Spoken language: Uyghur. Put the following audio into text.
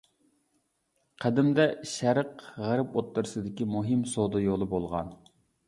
قەدىمدە شەرق، غەرب ئوتتۇرىسىدىكى مۇھىم سودا يولى بولغان.